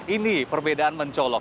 ini perbedaan mencolok